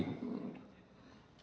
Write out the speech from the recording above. apa yang harus dilakukan